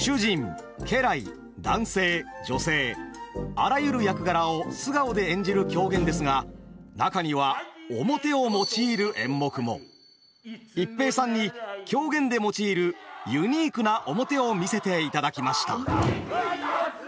あらゆる役柄を素顔で演じる狂言ですが中には逸平さんに狂言で用いるユニークな面を見せていただきました。